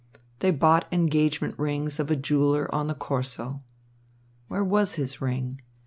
They bought engagement rings of a jeweller on the Corso. Where was his ring?